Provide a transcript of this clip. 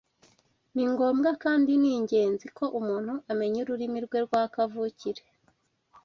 Ni ngombwa kandi ni ingenzi ko umuntu amenya ururimi rwe rwa kavukire